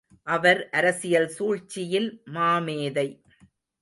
அவர் அரசியல் சூழ்ச்சியில் மாமேதை.